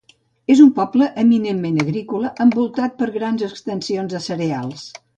És un poble eminentment agrícola envoltat per grans extensions de cereals.